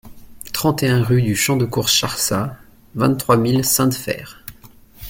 trente et un rue du Champ de Course Charsat, vingt-trois mille Sainte-Feyre